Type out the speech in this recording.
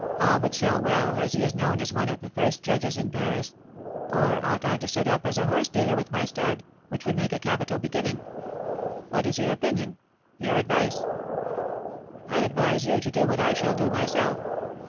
All would sell well, as he is known as one of the first judges in Paris; or ought I to set up as a horse dealer with my stud, which would make a capital beginning? What is your opinion your advice?" "I advise you to do what I shall do myself."